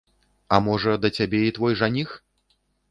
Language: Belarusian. А можа, да цябе і твой жаніх?